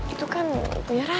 itu kan punya raya